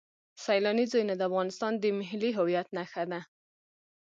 سیلاني ځایونه د افغانستان د ملي هویت نښه ده.